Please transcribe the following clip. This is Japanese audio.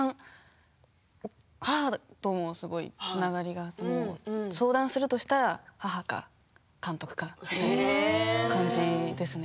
母とも、すごいつながりがあって相談するとしたら母か監督かみたいな感じですね